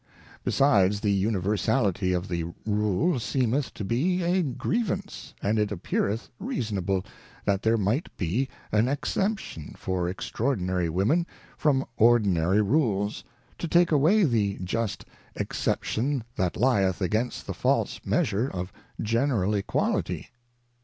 Besides, the uni versality of the Rule seemeth to be a Grievance, and it appeareth reasonable, that there might be an Exemption for extraordinary Women, from ordinary Rules, to take away the just Exception that lieth against the false measure of general Equality.